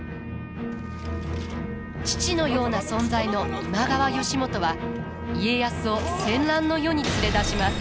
父のような存在の今川義元は家康を戦乱の世に連れ出します。